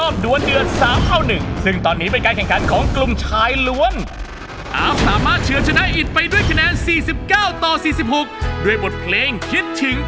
คิดถึงพี่หน่อยนักร้อยใจเจ้าพี่ตรมพี่เหงา